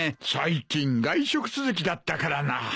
最近外食続きだったからな。